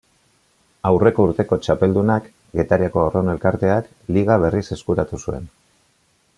Aurreko urteko txapeldunak, Getariako Arraun Elkarteak, Liga berriz eskuratu zuen.